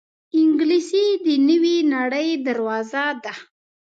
انګلیسي د نوې نړۍ دروازه ده